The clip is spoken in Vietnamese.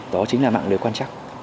đó chính là mạng lưới quan trắc